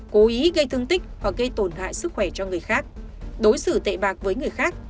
cố ý gây thương tích hoặc gây tổn hại sức khỏe cho người khác đối xử tệ bạc với người khác